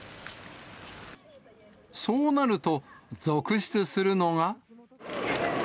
そうなると、続出するのが。